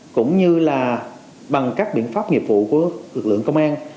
cũng như là bằng các biện pháp nghiệp vụ của lực lượng công an